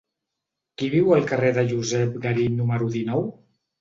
Qui viu al carrer de Josep Garí número dinou?